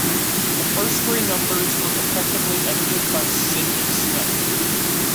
The first three numbers were effectively edited by Sydney Smith.